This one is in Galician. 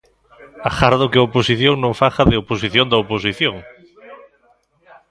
Agardo que a oposición non faga de oposición da oposición.